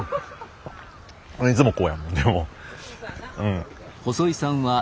俺いつもこうやもんでも。